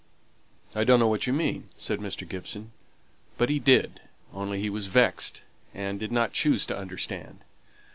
"I don't know what you mean," said Mr. Gibson. But he did; only he was vexed, and did not choose to understand.